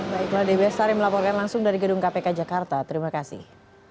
baiklah debbie sari melaporkan langsung dari gedung kpk jakarta terima kasih